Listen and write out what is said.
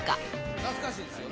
懐かしいですよね。